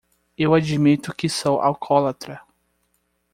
Eu admito que sou alcoólatra.